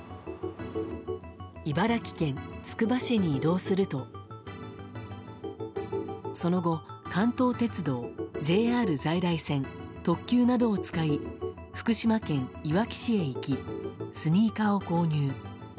茨城県つくば市に移動するとその後、関東鉄道、ＪＲ在来線特急などを使い福島県いわき市へ行きスニーカーを購入。